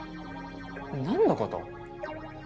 何のこと？